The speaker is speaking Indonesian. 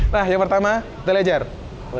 nah yang pertama kita lihat jar